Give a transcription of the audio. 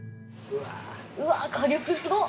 うわー火力すごっ！